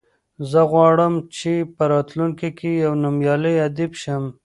زه غواړم چې په راتلونکي کې یو نومیالی ادیب شم.